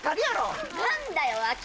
何だよ。